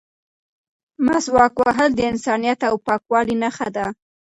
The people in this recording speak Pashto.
مسواک وهل د انسانیت او پاکوالي نښه ده.